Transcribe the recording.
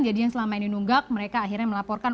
jadi yang selama ini nunggak mereka akhirnya melaporkan